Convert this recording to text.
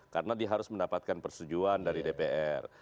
karena dia harus mendapatkan persetujuan dari dpr